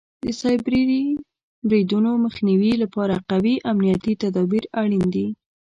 د سایبري بریدونو مخنیوي لپاره قوي امنیتي تدابیر اړین دي.